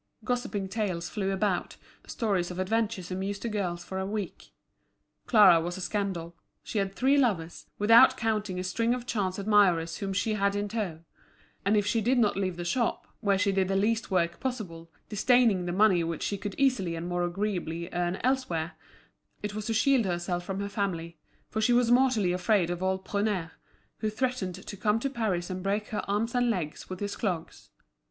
Gossiping tales flew about, stories of adventures amused the girls for a week. Clara was a scandal; she had three lovers, without counting a string of chance admirers whom she had in tow; and, if she did not leave the shop, where she did the least work possible, disdaining the money which she could easily and more agreeably earn elsewhere, it was to shield herself from her family; for she was mortally afraid of old Prunaire, who threatened to come to Paris and break her arms and legs with his clogs.